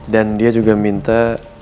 dan dia juga minta